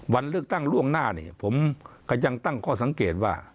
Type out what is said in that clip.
วันเลือกตั้งล่วงหน้าเนี่ยผมก็ยังตั้งข้อสังเกตว่า